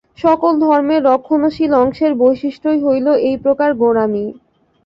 সকল ধর্মের রক্ষণশীল অংশের বৈশিষ্ট্যই হইল এইপ্রকার গোঁড়ামি।